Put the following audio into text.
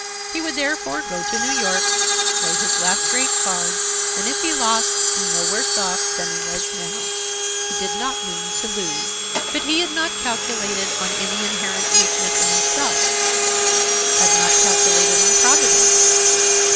He would, therefore, go to New York, play his last great card and, if he lost, be no worse off than he was now. He did not mean to lose. But he had not calculated on any inherent weakness in himself,—had not calculated on Providence.